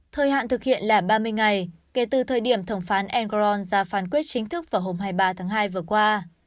thời hạn thực hiện là ba mươi ngày kể từ thời điểm thẩm phán angron ra phán quyết chính thức vào hôm hai mươi ba tháng hai vừa qua